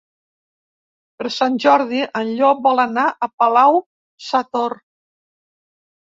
Per Sant Jordi en Llop vol anar a Palau-sator.